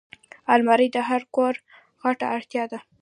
الماري د هر کور غټه اړتیا ده